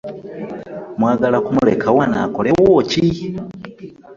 Mwagala kumuleka wano akolewo ki?